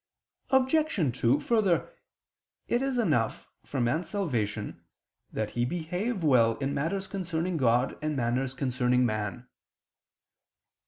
Obj. 2: Further, it is enough, for man's salvation, that he behave well in matters concerning God and matters concerning man.